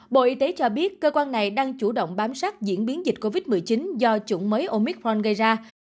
bộ y tế cho biết cơ quan này đang chủ động bám sát diễn biến dịch covid một mươi chín do chủng mới omicron gây ra